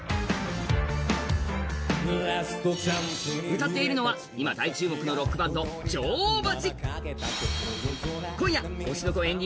歌っているのは今、大注目のロックバンド、女王蜂。